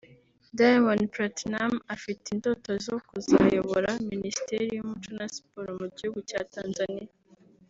Diamond Platnumz afite indoto zo kuzayobora Minisiteri y'Umuco na Siporo mu gihugu cya Tanzania